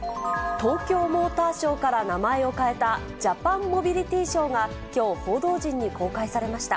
東京モーターショーから名前を変えたジャパンモビリティショーがきょう、報道陣に公開されました。